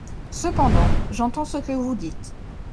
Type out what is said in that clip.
Cependant, j’entends ce que vous dites.